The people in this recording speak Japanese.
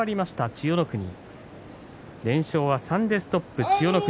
千代の国連勝は３でストップしました。